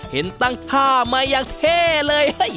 เห็นตั้งท่ามาอย่างเท่เลย